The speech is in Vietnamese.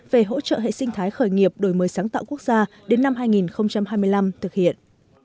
về hỗ trợ hệ sinh thái khởi nghiệp đổi mới sáng tạo quốc gia đến năm hai nghìn hai mươi năm thực hiện